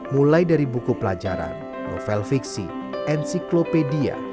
mulai dari buku pelajaran novel fiksi ensiklopedia